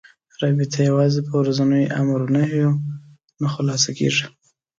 رابطه یوازې په ورځنيو امر و نهيو نه خلاصه کېږي.